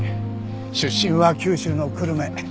出身は九州の久留米。